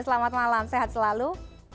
selamat malam sehat selalu